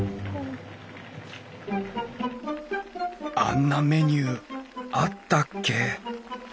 あんなメニューあったっけ？